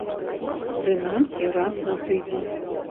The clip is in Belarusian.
Прынамсі, раз на тыдзень.